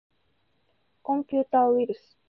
コンピューターウイルス